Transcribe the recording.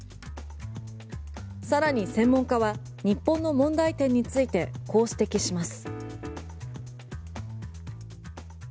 更に専門家は日本の問題点についてこう指摘します。